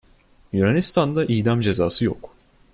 Yunanistan'da idam cezası yok.